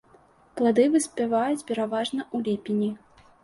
Плады выспяваюць пераважна ў ліпені.